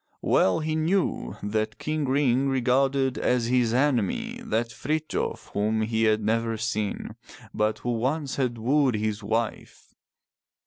Well he knew that King Ring regarded as his enemy that Frithjof whom he had never seen, but who once had wooed his wife.